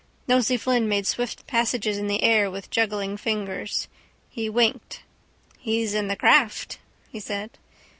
Nosey Flynn made swift passes in the air with juggling fingers. He winked. —He's in the craft, he said.